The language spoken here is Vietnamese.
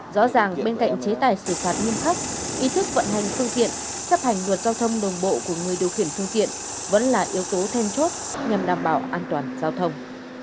rõ ràng bên cạnh chế tài xử phạt nghiêm khắc ý thức vận hành phương tiện chấp hành luật giao thông đồng bộ của người điều khiển phương tiện vẫn là yếu tố then chốt nhằm đảm bảo an toàn giao thông